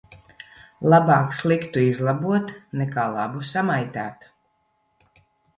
Labāk sliktu izlabot nekā labu samaitāt.